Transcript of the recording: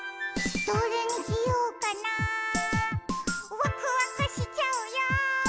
「どれにしようかなわくわくしちゃうよ」